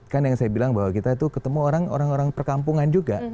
kan yang saya bilang bahwa kita itu ketemu orang orang perkampungan juga